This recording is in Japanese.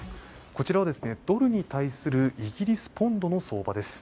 こちらはドルに対するイギリスポンドの相場です。